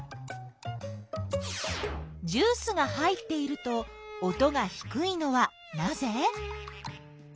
ジュースが入っていると音がひくいのはなぜ？